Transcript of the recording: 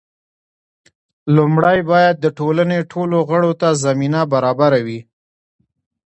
لومړی باید د ټولنې ټولو غړو ته زمینه برابره وي.